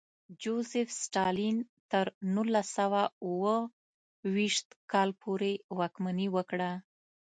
جوزېف ستالین تر نولس سوه اوه ویشت کال پورې واکمني وکړه.